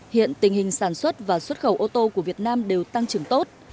hiện tình hình sản xuất và xuất khẩu ô tô của việt nam đều tăng trưởng tốt